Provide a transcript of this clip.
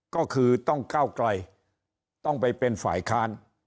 ก็คือต้องก้าวไกลต้องไปเป็นฝ่ายค้าน